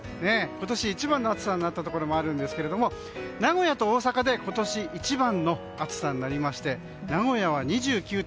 今年一番の暑さになったところもあるんですけれども名古屋と大阪で今年一番の暑さになりまして名古屋は２９．３度。